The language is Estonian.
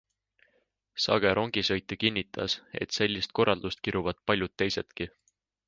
Sage rongisõitja kinnitas, et sellist korraldust kiruvad paljud teisedki.